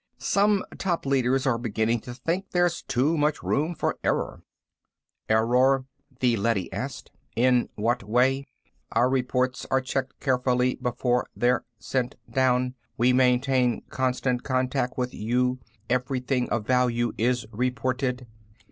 Some top leaders are beginning to think there's too much room for error." "Error?" the leady asked. "In what way? Our reports are checked carefully before they're sent down. We maintain constant contact with you; everything of value is reported.